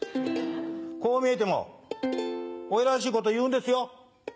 こう見えても、親らしいこと言うんですよ。